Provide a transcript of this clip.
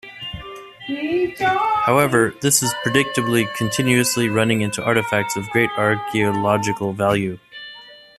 However, this is predictably continuously running into artifacts of great archaeological value.